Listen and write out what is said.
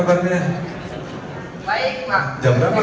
baru selesai main pak